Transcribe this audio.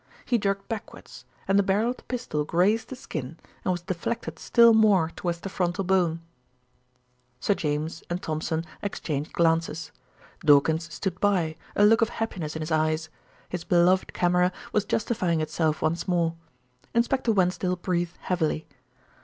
He jerked backwards, and the barrel of the pistol grazed the skin and was deflected still more towards the frontal bone." Sir James and Thompson exchanged glances. Dawkins stood by, a look of happiness in his eyes. His beloved camera was justifying itself once more. Inspector Wensdale breathed heavily.